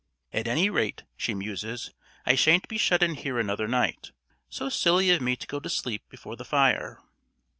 "At any rate," she muses, "I shan't be shut in here another night. So silly of me to go to sleep before the fire!